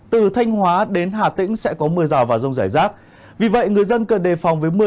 từ thanh hóa đến hà tĩnh sẽ có mưa rào và rông rải rác vì vậy người dân cần đề phòng với mưa